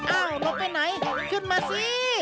เอ้าลดไปไหนขึ้นมาสิ